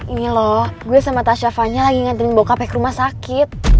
ini loh gue sama tasya fanya lagi ngantinin bokapnya ke rumah sakit